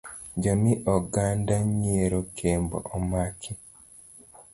Jamii oganda nyiero Kembo omaki.